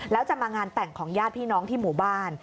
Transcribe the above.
แล้วจะมางานแต่งของญาติพี่น้องที่หมู่บ้าน